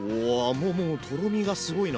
もうもうとろみがすごいな。